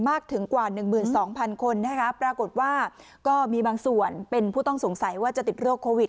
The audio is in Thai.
ถึงกว่า๑๒๐๐คนนะคะปรากฏว่าก็มีบางส่วนเป็นผู้ต้องสงสัยว่าจะติดโรคโควิด